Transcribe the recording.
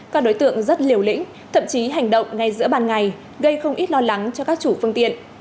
các đối tượng rất liều lĩnh thậm chí hành động ngay giữa ban ngày gây không ít lo lắng cho các chủ phương tiện